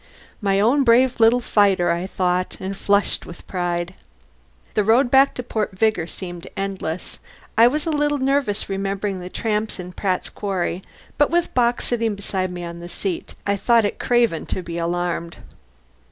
My own brave little fighter, I thought, and flushed with pride. The road back to Port Vigor seemed endless. I was a little nervous, remembering the tramps in Pratt's quarry, but with Bock sitting beside me on the seat I thought it craven to be alarmed.